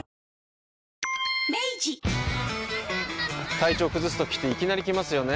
体調崩すときっていきなり来ますよね。